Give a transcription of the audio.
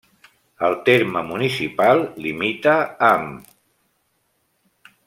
El terme municipal limita amb: